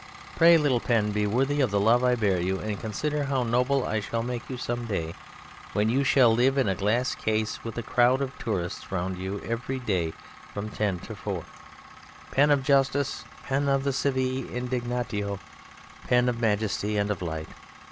Pray, little pen, be worthy of the love I bear you, and consider how noble I shall make you some day, when you shall live in a glass case with a crowd of tourists round you every day from 10 to 4; pen of justice, pen of the saeva indignatio, pen of majesty and of light.